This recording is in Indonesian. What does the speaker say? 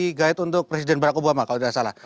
di guide untuk presiden barakubo pak kalau tidak salah